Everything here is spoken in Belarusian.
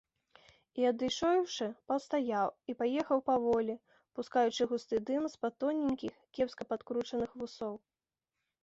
І, адышоўшы, пастаяў і паехаў паволі, пускаючы густы дым з-пад тоненькіх, кепска падкручаных вусоў.